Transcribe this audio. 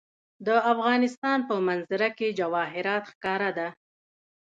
د افغانستان په منظره کې جواهرات ښکاره ده.